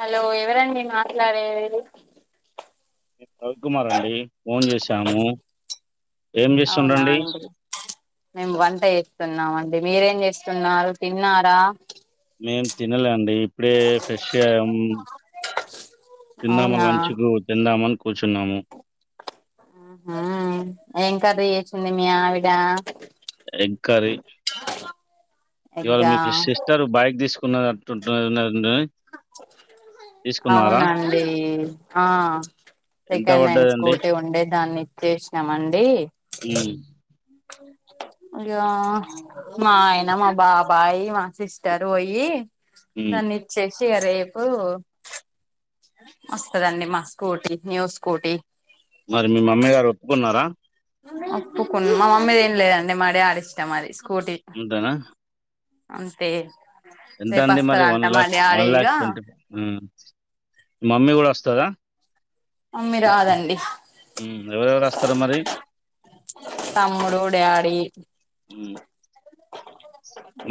Hello ఎవరండి మాట్లాడేది? నేను రవికుమార్ అండి ఫోన్ చేసాము. అవునా అండి మేము వంట చేస్తూన్నామండి. మీరేం చేస్తున్నారు తిన్నారా? మేం తినలే అం ఇప్పుడే ఫ్రెష్ గా ఉమ్ తిందామా అవునా లంచ్ కు తిందామని కూర్చున్నాము ఆహ ఏం కర్రీ చేసింది మీ ఆవిడ? ఎగ్ కర్రీ బ్లాంక్ ఇవాళ మీకు సిస్టర్ బైక్ తీసుకున్న అటుటున్ననది. బ్లాంక్ అవునండీ ఆ ఎంత సెకండ్ హ్యాండ్ పడ్డదండి? స్కూటీ ఉండే దాన్ని చేసినమండీ హ్మ్. ఇగ మా ఆయన, మా బాబాయ్, మా సిస్టర్ ఓయి హ్మ్. నన్నిచేసి ఇగ రేపు వస్తదండి మా స్కూటీ మేము స్కూటీ మరి మీ మమ్మీ గారు ఒప్పుకున్నారా ఒప్పుకు మా మమ్మీ దేమిలేదండి మా డాడీ ఇష్టం అది స్కూటీ అంతేనా అంతే రేపు ఎంతండి మరి వస్తాడంట మా వన్లాక్ డాడీ ఇగ వన్లాక్ ట్వంటీ ఉమ్ మమ్మీ కూడా వస్తద మమ్మీ రాదండి ఉమ్ ఎవరెవరు వస్తారు మరి తమ్ముడు డాడీ హ్మ్.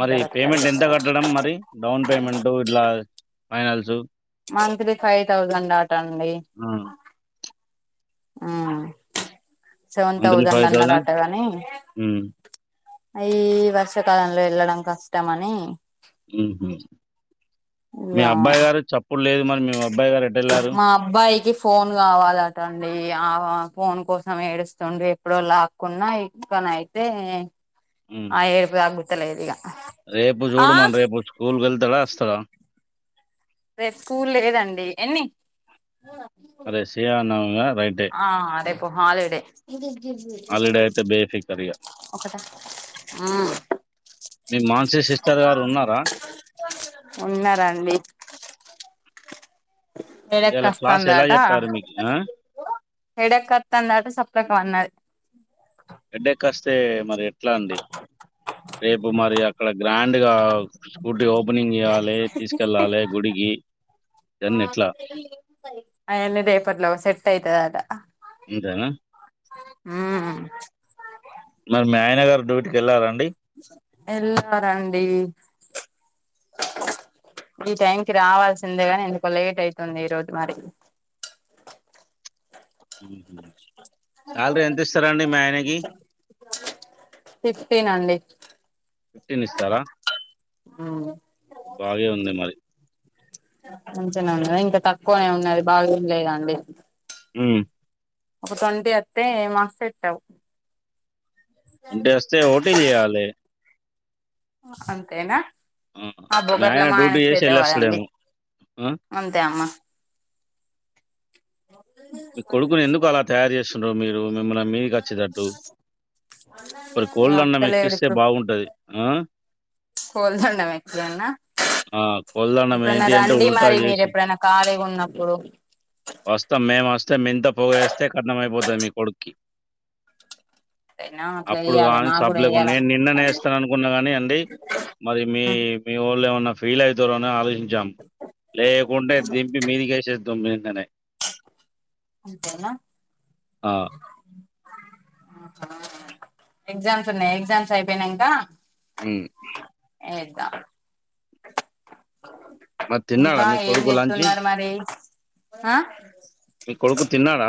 మరి వత్తరు పేమెంట్ ఇగ ఎంత కట్టడం మరి డౌన్ పేమెంట్ ఇట్లా ఫైనల్సు మంత్లీ ఫైవ్ థౌజండ్ ఆట అండి ఆ! ఆ seven monthly thousand five thousand అన్నాారట గాని హ్మ్. అయి వర్షాకాలంలో వెళ్ళడం కష్టం అని ఉహు ఇగ మీ అబ్బాయి గారు చప్పుడు లేదు మరి మీ అబ్బాయి గారు ఎటెల్లారు మా అబ్బాయికి ఫోన్ కావాలట అండి ఆ ఫోన్ కోసం ఏడుస్తుండు ఎప్పుడో లాక్కున్నా ఇట్ నైతే హ్మ్. ఆ ఏడ్పు తగ్గుతలేదు ఇగ రేపు ఆ చూడుమను రేపు స్కూల్కి వెళ్తాడా అస్తాడా రేపు స్కూల్ లేదండి ఎన్ని అరే సిరమా నవమి కదా రైట్ హా రేపు హాలిడే హాలిడే అయితే బేఫికరిగ. ఉమ్ మీ [unintelligible] ఉన్నారా? ఉన్నారండి ఇయాల క్లాస్ ఎలా హెడేకస్తాందట చెప్పారు మీకు? ఆ! హెడేకత్తందట సప్పుడేక పన్నది హెడేక్ అస్తే మరి ఎట్లా అండి రేపు మరి అక్కడ గ్రాం డగా స్కూటీ ఓపెనింగ్ చేయాలి తీసుకెళ్ళాలి గుడికి ఇయన్నీ ఎట్లా? అయన్ని రేపట్లోగా సెట్ అయితదట అంతేనా? ఉమ్ మరి మీ ఆయన గారు డ్యూటీకెళ్లారండి ఎళ్లారండి ఈ టైం కి రావాల్సిందే గాని ఎందుకో లేట్ అయితుంది ఈరోజు మరి ఉహు సాలరీ ఎంత ఇస్తరండి మీ ఆయనకి ఫిఫ్టీన్ అండి ఫిఫ్టీన్ ఇస్తారా మ్మ్ బాగే ఉంది మరి మంచినే ఉన్నదా ఇంకా తక్కువనే ఉన్నది బాగేమ్ లే గా అండి ఉమ్ ఒక ట్వంటీ అత్తే మస్త్ సెట్ అవ్ అంటే వస్తయి ఓ టీ చేయాలే అంతేనా ఆ బొ మీ గట్ల ఆయన మా డ్యూటీ ఆయనకి చేసి చేతకాదండీ ఎళ్ళొస్తాడేమో. ఆ! అంతే అమ్మా మీ కొడుకుని ఎందుకు అలా తయారు చేస్తుండ్రు మీరు మిమ్మల్ని మీదికి వచ్చేటట్టు ఇప్పుడు ఇగ కోళ్ళన్నం అత్తలేడు ఎక్కిస్తే బాగుంటది ఆ కోళ్లనామ్ ఇంటిదాన్నా ఆ! కోళ్ళన్నం ఎప్పుడన్న ఏంటి అంటే రండి ఉల్టా మరి మీరు చేసి ఎప్పుడన్న ఖాళీగున్నప్పుడు వస్తాం మేం వస్తే మెంత పొగేస్తే కట్నమైపోతది మీ కొడుక్కి బ్లాంక్ అప్పుడు కాని సబ్లకు నేను నిన్న వేయ్యాలనిపిస్తాంది నేవేస్తాను అనుకున్నా కానీ అండి మరి మీ మీ ఒళ్ళ ఏమైనా ఫీల్ అవుతరు అని ఆలోచించాం లేకుంటే దింపి మీదికేసేధూమ్ నిన్ననే అంతేనా ఆ! ఎగ్జామ్స్ ఉన్నాయి ఎగ్జామ్స్ అయిపోయినంకా మ్ ఎతన్ మరి తిన్నాడా ఇంకా మీ ఏం కొడుకు లంచి? చేస్తున్నారు మరి ఆ మీ కొడుకు తిన్నాడ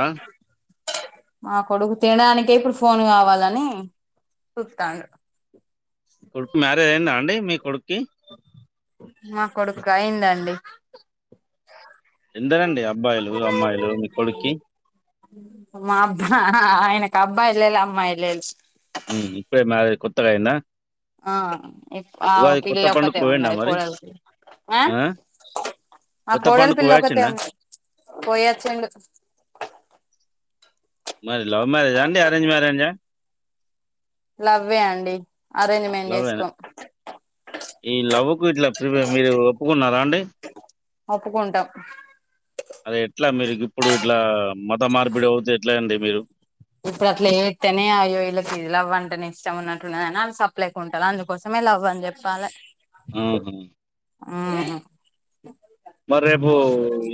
మా కొడుకు తినడానికె ఇప్పుడు ఫోన్ కావాలని చుతాండు కొడుకు మ్యారేజ్ అయిందా అండి మీ కొడుక్కి నా కొడుకైందండి ఎందరండి అబ్బాయిలు అమ్మాయిలు మీ కొడుక్కి మా అబ్బా ఆయనకు అబ్బాయి లేరు అమ్మాయి లేరు హ్మ్ ఇప్పుడే మ్యారేజ్ కొత్తగైందా ఆ ఆ పిల్ల పండుగ ఒక్కతే పోయిండా ఉన్నది మరి కోడలకి ఆ మా కొత్త కోడలి పండుగ పిల్ల ఒక్కతే పోయాచిందా ఉంది పోయోచిండు మరి లవ్ మ్యారేజా అండి అరేంజ్ మ్యారేజా లవ్వే అండి అరేంజ్మెంట్ లవ్వేనా చేసుకోం ఈ లవ్కు ఇట్లా మీరు ఒప్పుకున్నారా అండి ఒప్పుకుంటాం ఇట్లా మీరు గొప్పుడు ఇట్లా మత మార్పిడి అవుతే ఎట్లా అండి మీరు ఇప్పుడు అట్లా చేతేనే అయ్యో ఇళ్ళకి లవ్వ వంటనే ఇష్టం ఉన్నట్టుని అ సెపెరేట్ గా ఉంటరు అందుకోసంమె లవ్ అని చెప్పాలె ఆహా ఆ మరి రేపు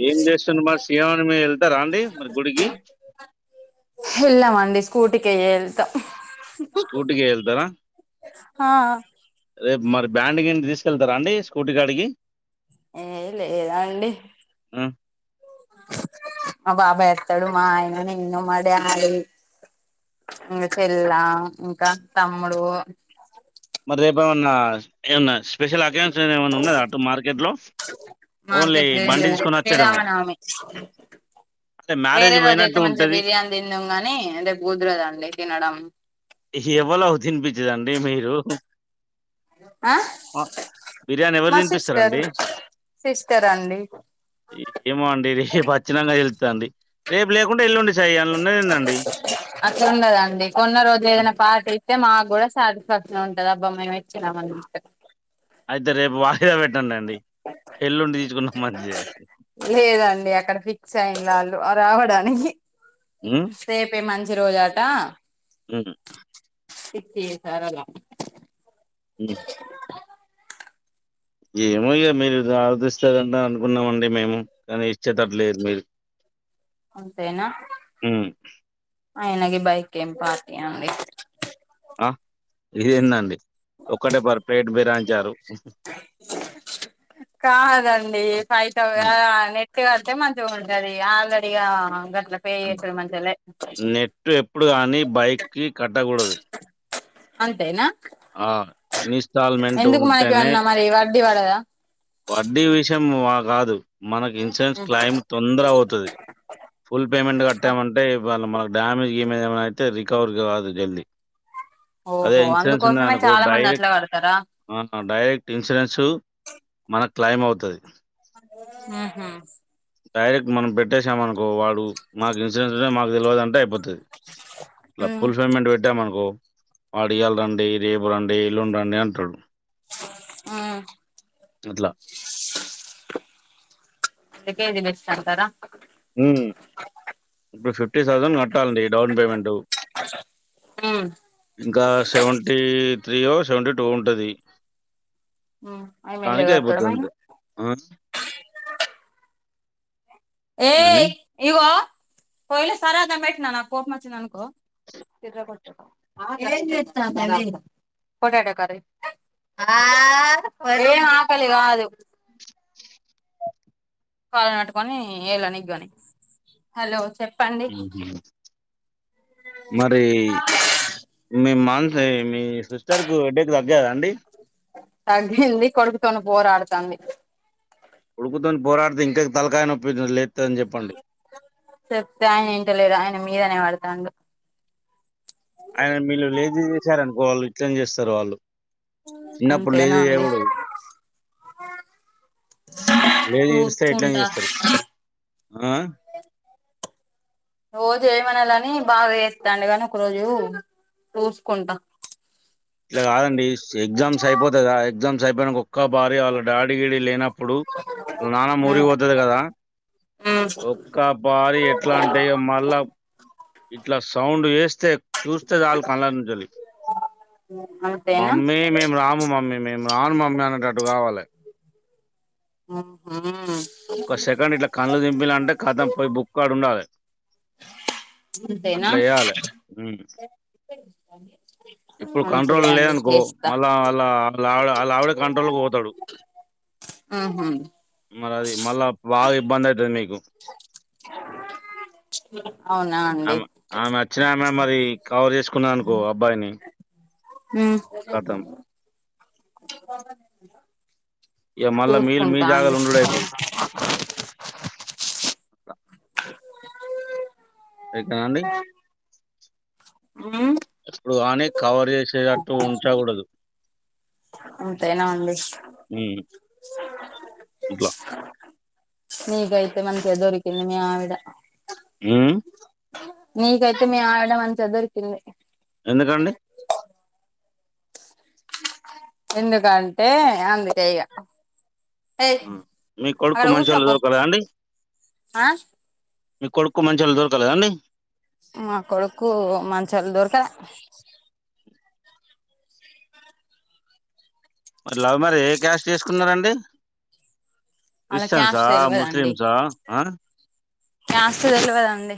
ఏం చేస్తార్ మరి సియానామె వెళ్తారా అండి మరి గుడికి వెళ్ళామండి స్కూటికె ఏళ్తా స్కూటికి ఎల్తవ హ మరి బ్యాండ్కి తీసుకెళ్తారా అండి స్కూటీ గాడికి ఎన్ లేదా అండి అ మా బాబాయ్ ఎత్తాడు మా ఆయన నేన్న మా డాడీ ఎపిల్లా ఇంకా తమ్ముడు మన్నా ఏమన్నా స్పెషల్ అకేజన్స్ ఏమన్నా ఉన్నాయ అటు మార్కెట్ లో ఓన్లీ మార్కెట్ ఏం బండి లేదు తీసుకొని వచ్చేయడమా శ్రీరామనవమి అంటే వేరే మ్యారేజ్ రోజు అయితే పోయినట్టు మంచిగా ఉంటది బిర్యానీ తిన్నం గానీ అదే కుదర్ధండి తినడం ఎవ్వలో అవు తినిపించదండి మీరు అ బిర్యాని ఎవరు తినిపిస్తరండి సిస్టర్ అండి ఏమొండి రేప్ ఒచ్చినాక తెలు అండి రేపు లేకుంటె ఎల్లుండి సాయి అందులో ఉన్నది ఏందండి అట్లన్నదండి కొన్న రోజు ఆ, ఏదన్న పాటీ ఇస్తే మాక్ గుడా సాటి స్ఫాక్షన్ ఉంటది అబ్బ మేం ఇచ్చినం అన్నట్టు. అయితే రేపు వా ఇక్కడే పెట్టండండి ఎల్లుండి తీస్కున్న [unintelligible] లేదండి అక్కడ ఫిక్స్ అయింది వాళ్ళు అ రావడానికి రేపే మంచి రోజాట ఉమ్మ్ సిట్టి సరేలా ఉహ్ ఏమో ఇగ మీర్ [unintelligible] అనుకున్నామండి మేము కానీ ఇచ్చేటట్ లేర్ మీరు అంతేనా ఉమ్, అయిన గి బైకేం పార్టీ అండి. ఆ ఇదేందండి ఒక్కటే పర్పెట్ బిరాంచారు. కాదండి పైసల్ హ్మ్. గావాలె కిస్తి గడ్తే మంచిగుంటది ఆర్లడి అన్ ఇగ [unintelligible] మంచిగలె నెట్ ఎప్పుడు గాని బైక్‌కి కట్టగూడదు. అంతేనా ఆ ఇనిస్టాల్మేంట్ ఎందుకు మనకి ఉంటేనే ఏమన్నా మరి వడ్డీ వడదా వడ్డీ విషయం మ కాదు మనక్ ఇన్సేన్స్ క్లయిమ్ తొందర పోతది. ఫుల్ పేమెంట్ కట్టామంటే ఇవాళ మనకు డ్యామేజ్ గిమేజ్ ఏమైన అయితే రికవర్ గాదు జల్దీ అదే ఓహో ఇన్సూరెన్స్ అందుకోసమే ఉన్నదనుకో చాలా మంది డైరెక్ అట్లా కడతారా డైరెక్ట్ ఇన్సూరెన్సు మనక్ క్లైమ్ అవుతది. మ్ హా డైరెక్ట్ మనం పెట్టేసామనుకో వాడు మాక్ ఇన్సూరెన్స్వే మా తెల్వదంటే అయిపోతది. ఇలా ఉమ్ ఫుల్ పేమెంట్ పెట్టామన్కో వాడ్ ఇయాల్ రండి, రేపు రండి, ఎల్లున్ రండి అంటడు. మ్ అట్లా. [unintelligible] బెస్ట్ అంటరా హ్మ్ ఇప్పుడ్ ఫిఫ్టీ థౌసండ్ కట్టాండి డౌన్ పేమెంటు. ఉమ్ ఇంకా సెవెంటీ త్రీయో సెవెంటీ టూ ఒ ఉంటది. ఉమ్ అయి తానికే మెల్లగా అయిపోతద్ కట్టడమా అంతే ఆ ఏందండి? ఏయ్ ఇగొ పొయ్యిల సరాత పెట్టిన నాక్ కోపం వచ్చిందన్కో [unintelligible] పోటటో కర్రీ ఆ మరేం ఆకలి గాదు. కాళ్ పట్టుకొని ఏలనిక్ గని హలో చెప్ [unintelligible] మరి మీ మాన్సే మీ సిస్టర్కు [unintelligible] టారా అండి. తగ్గింది కొడుకుతోన్ పోరాడ్తాంది. కొడుకుతోన్ పోరాడ్తే ఇంకెం తల్కాయనొప్పీ దులే చెప్తే ఆయనింటలేడ్ ఆయన మీదనే వడ్తాండు. ఆయన మీళ్ళు లేన్ది చేశారనుకో వాళ్ ఇట్లన్ చేస్తార్ వాళ్ళు. చిన్నప్పుడ్ లేద అంతేనా అండి [unintelligible] లేంది చూస్తార్ ఇట్లనె చూసుకుంటా చెస్తారు ఆ రోజు ఏమనలని బాగ చేస్తాండు గని ఒక రోజు చుస్కుంటా ఇట్ల కాదండి స్ ఎగ్జామ్స్ అయిపోతయిగా ఎగ్జామ్స్ సైపోయినంక ఒక్కబారి వాళ్ళ డాడీ గిడి లేనప్పుడు వాళ్ నాన్నమ్మురిక్ పోతది గదా ఒక్క పారి ఎట్లంటే ఇగ మళ్ళ ఇట్ల సౌండ్ చేస్తే చూస్తే జల్ కళ్ళనుంచల్లి. అంతేనా మమ్మీ మేము రాము మమ్మీ నేన్ రాన్ మమ్మీ అనే గడ్డు రావాలే హ్మ్ ఒక్క సెకండ్ ఇట్లా కన్ళుదింపిన అంటే కథం పోయ్ బుక్ కాడుండాలి అంతేనా చేయాలె. హ్మ్. ఇప్పుడు మంచిదే కంట్రోల్ అండి లేద్నుకో చేస్తా మళ్ళా అలా అవి ఆవిడ అలా ఆవిడ కంట్రోల్కు పోతడు. మాలది మళ్ళా బాగ ఇబ్బంది అయితది నీకు అవును మె ఆమె నచ్చినామె మరి కవర్ చేసుకున్నాదనుకో అబ్బాయిని కథం. హ్మ్ ఇగ మళ్ళా మీరు మీ జాగాల చూసుకుంటాంలె ఉండుడు అయితది. అ కాండి ఎప్పుడ్ కానీ కవర్ చేసేటట్టు ఉంచగుడదు అంతేన అండి హ్మ్. ఇట్లా. నికైతే మంచిగా దొరికింది మీ ఆవిడ హ్మ్. నీకైతే మీ ఆవిడా మంచిగ దొరికింది ఎందుకండి ఎందుకంటే అందుకేగ మీ కొడుక్కు మంచోళ్ళు దొరకరా అండి ఆ మీ కొడుక్కు మంచోల్ దొరకల కదండి మా కొడుక్కు మంచోల్ దొరక మర్ లవ్ మ్యారేజ్ ఏ క్యాస్ట్ చేసుకున్నారండి ఆళ్ళ క్రిస్టియన్స్ క్యాస్ట్ అ ముస్లిం అ హ కాస్ట్ తెల్వదండి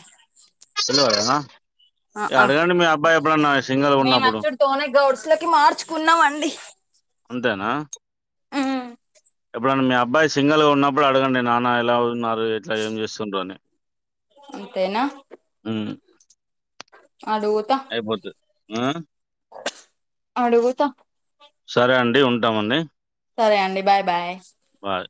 తెల్వదా ఆ ఆ అడగండి మీ అబ్బాయి ఎప్పుడన్నా సింగల్గా ఉన్నప్పుడు గౌడ్స్ లోకి మార్చుకున్నాం అండి అంతేనా ఇప్పుడన మీ అబ్బాయి సింగిల్గా ఉన్నప్పుడు అడగండి నాన్న ఎలా వున్నారు ఎట్లా ఏం చేస్తుండ్రాని అంతేన హ్మ్ అడుగుత అయిపోతది. ఆ! అడుగుత సరే అండి ఉంటామండి సరే అండి బాయ్ బాయ్ బాయ్.